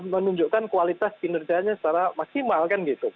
menunjukkan kualitas kinerjanya secara maksimal kan gitu